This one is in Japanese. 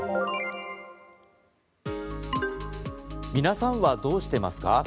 皆さんはどうしてますか。